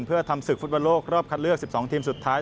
เพื่อทำศึกฟุตบอลโลกรอบคัดเลือก๑๒ทีมสุดท้าย